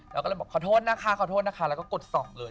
เราก็เลยบอกขอโทษนะคะขอโทษนะคะแล้วก็กดส่องเลย